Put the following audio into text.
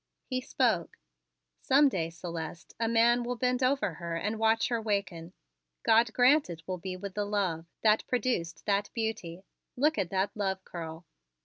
He spoke: "Some day, Celeste, a man will bend over her and watch her waken. God grant it will be with the love that produced that beauty. Look at that love curl!"